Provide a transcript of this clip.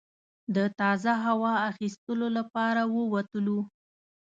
د تازه هوا اخیستلو لپاره ووتلو.